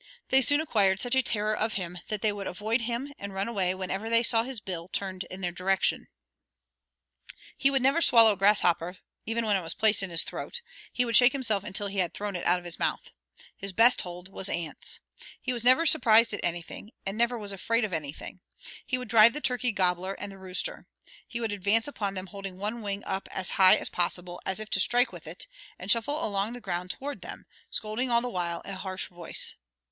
They soon acquired such a terror of him that they would avoid him and run away whenever they saw his bill turned in their direction. He never would swallow a grasshopper even when it was placed in his throat; he would shake himself until he had thrown it out of his mouth. His 'best hold' was ants. He never was surprised at anything, and never was afraid of anything. He would drive the turkey gobbler and the rooster. He would advance upon them holding one wing up as high as possible, as if to strike with it, and shuffle along the ground toward them, scolding all the while in a harsh voice.